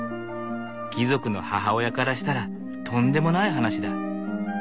貴族の母親からしたらとんでもない話だ。